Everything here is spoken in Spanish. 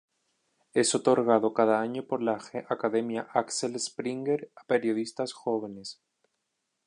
Es otorgado cada año por la Academia Axel Springer a periodistas jóvenes.